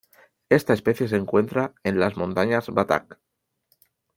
Esta especie se encuentra en las montañas Batak.